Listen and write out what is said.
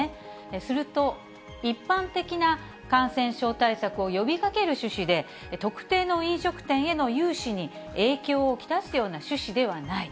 すると、一般的な感染症対策を呼びかける趣旨で、特定の飲食店への融資に影響を来すような趣旨ではない。